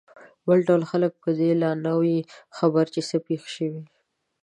بل ډول خلک په دې لا نه وي خبر چې څه پېښ شوي.